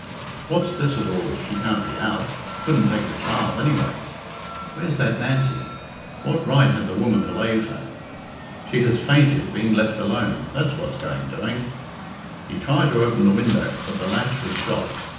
"What's this at all? She can't be out. Couldn't take the child anyway. Where's that Nancy? What right had the woman to lave her? She has fainted, being left alone; that's what's going doing." He tried to open the window, but the latch was shot.